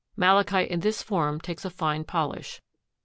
Malachite in this form takes a fine polish.